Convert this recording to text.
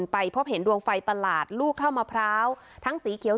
ไปพบเห็นดวงไฟประหลาดลูกเท่ามะพร้าวทั้งสีเขียว